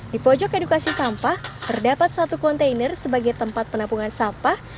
di pojok edukasi sampah terdapat satu kontainer sebagai tempat penampungan sampah